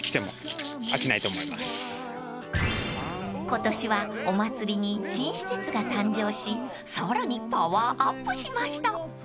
［今年はお祭りに新施設が誕生しさらにパワーアップしました］